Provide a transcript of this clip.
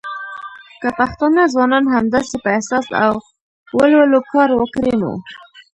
که پښتانه ځوانان همداسې په احساس او ولولو کار وکړی نو